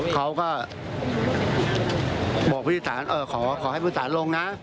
เขาก็บอกพฤทธิษฐานขอให้พฤทธิษฐานลงนะ